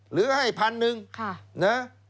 หรือให้๑๐๐๐หนึ่งนะครับค่ะ